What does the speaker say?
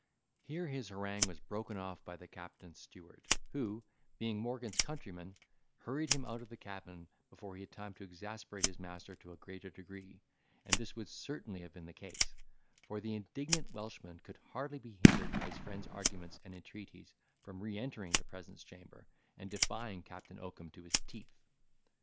Here his harangue was broken off by the captain's steward, who, being Morgan's countryman, hurried him out of the cabin before he had time to exasperate his master to a greater degree, and this would certainly have been the case; for the indignant Welshman could hardly be hindered by his friend's arguments and entreaties from re entering the presence chamber, and defying Captain Oakum to his teeth.